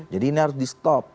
jadi ini harus di stop